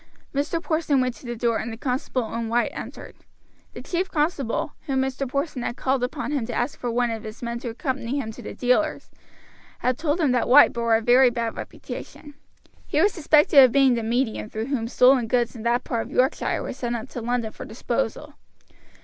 Mr. Porson went to the door, and the constable and White entered. The chief constable, when Mr. Porson had called upon him to ask for one of his men to accompany him to the dealer's, had told him that White bore a very bad reputation. He was suspected of being the medium through whom stolen goods in that part of Yorkshire were sent up to London for disposal.